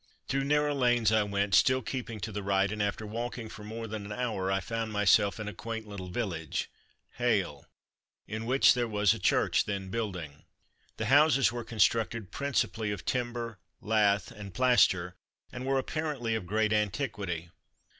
Through narrow lanes I went, still keeping to the right, and after walking for more than an hour I found myself in a quaint little village (Hale) in which there was a church then building. The houses were constructed principally of timber, lath, and plaster and were apparently of great antiquity.